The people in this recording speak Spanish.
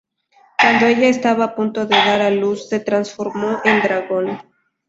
Cuando ella estaba a punto de dar a luz, se transformó en Dragón.